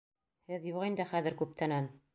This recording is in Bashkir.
Һеҙ юҡ инде хәҙер күптәнән.